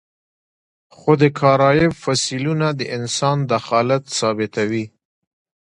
خو د کارایب فسیلونه د انسان دخالت ثابتوي.